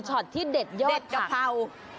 ส็อตที่เด็ดยอดกระเป๋า